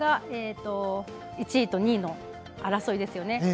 １位と２位の争いですね。